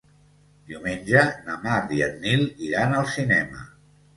Diumenge na Mar i en Nil iran al cinema.